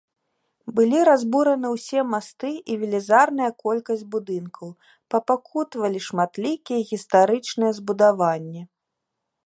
Былі разбураны ўсе масты і велізарная колькасць будынкаў, папакутавалі шматлікія гістарычныя збудаванні.